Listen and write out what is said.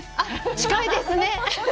近いですね。